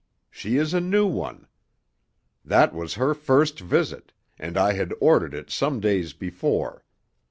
She is a new one. That was her first visit, and I had ordered it some days before.